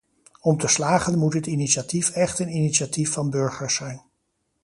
Om te slagen moet het initiatief echt een initiatief van burgers zijn.